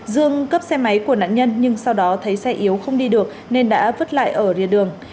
dương cướp xe máy của nạn nhân nhưng sau đó thấy xe yếu không đi được nên đã vứt lại ở rìa đường